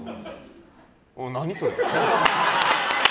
何それ。